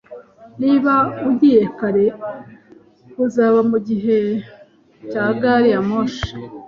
Niba ugiye kare, uzaba mugihe cya gari ya moshi.